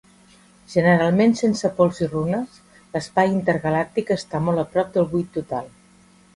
Generalment sense pols i runes, l'espai intergalàctic està molt a prop del buit total.